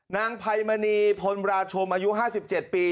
นางพัยบ์มันีพนราชวมอายุ๕๗ปี